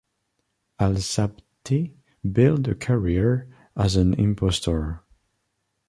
Alsabti built a career as an impostor.